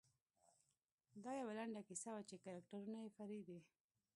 دا یوه لنډه کیسه وه چې کرکټرونه یې فرعي دي.